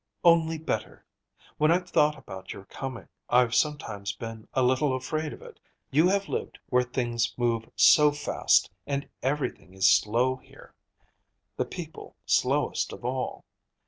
"Only better. When I've thought about your coming, I've sometimes been a little afraid of it. You have lived where things move so fast, and everything is slow here; the people slowest of all.